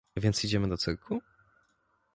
Więc idziemy do cyrku?